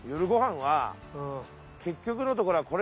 ご飯は結局のところはれ